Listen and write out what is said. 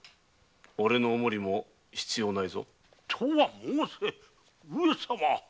おれのお守りも必要ないぞ。とは申せ上様。